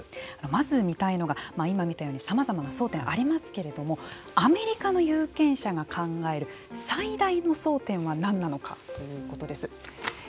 まず見たいのが今、見たようにさまざまな争点ありますけれどもアメリカの有権者が考える最大の争点は何なのかということです。